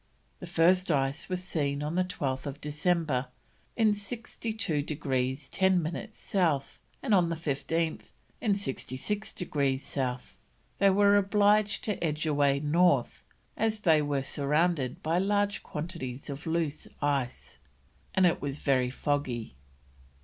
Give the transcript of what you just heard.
The first ice was seen on 12th December in 62 degrees 10 minutes South, and on the 15th, in 66 degrees South, they were obliged to edge away north as they were surrounded by large quantities of loose ice, and it was very foggy.